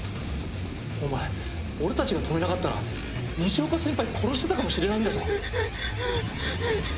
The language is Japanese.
お前俺たちが止めなかったら西岡先輩殺してたかもしれないんだぞ。